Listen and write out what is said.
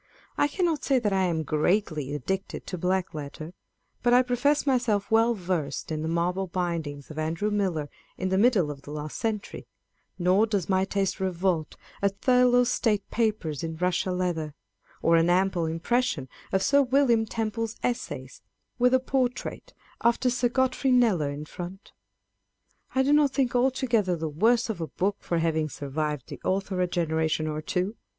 I cannot say that I am greatly addicted to black letter, but I profess myself well versed in the marble bindings of Andrew Millar,1 in the middle of the last century ; nor does my taste revolt at Thurlow's State Papers, in russia leather ; or an ample impression of Sir William Temple's Essays, with a portrait after Sir Godfrey Kneller in front. I do not think altogether the worse of a book for having survived the author a genera tion or two.